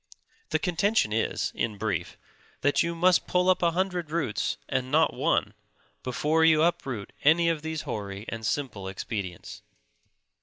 The contention is, in brief, that you must pull up a hundred roots, and not one, before you uproot any of these hoary and simple expedients.